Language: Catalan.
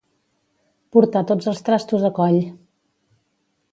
Portar tots els trastos a coll.